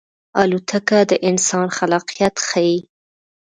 الوتکه د انسان خلاقیت ښيي.